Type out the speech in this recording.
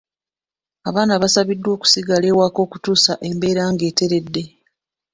Abaana baasabiddwa okusigala awaka okutuusa embeera ng’eteredde.